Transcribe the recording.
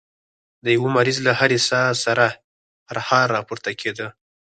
د يوه مريض له هرې ساه سره خرهار راپورته کېده.